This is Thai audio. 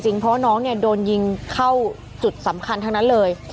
เพราะว่าน้องเนี่ยโดนยิงเข้าจุดสำคัญทั้งนั้นเลย